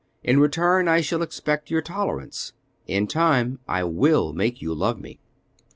In return I shall expect your tolerance. In time I will make you love me."